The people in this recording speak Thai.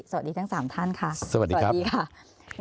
สวัสดีครับทั้ง๓ท่าน